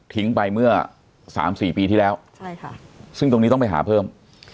ไปเมื่อสามสี่ปีที่แล้วใช่ค่ะซึ่งตรงนี้ต้องไปหาเพิ่ม